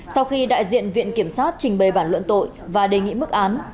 sau khi đại diện viện kiểm sát trình bày bản luận tội và đề nghị mức án